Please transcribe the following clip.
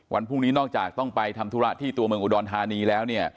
วันพรุ่งนี้นอกจากต้องไปทำธุระที่ตัวเมืองอุดรธานีแล้วเนี่ย